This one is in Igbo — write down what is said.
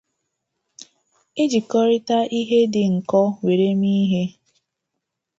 ijikọrịta ihe dị nkọ were eme ihe